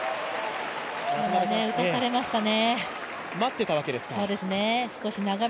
打たされましたね。